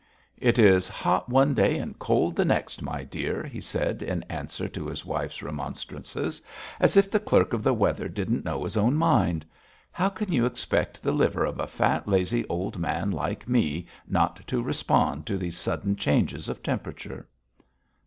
'It is hot one day and cold the next, my dear,' he said in answer to his wife remonstrances, 'as if the clerk of the weather didn't know his own mind. How can you expect the liver of a fat, lazy old man like me not to respond to these sudden changes of temperature?'